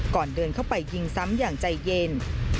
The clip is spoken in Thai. ก่อนเดินเข้าไปยิงซ้ำอย่างใจเย็น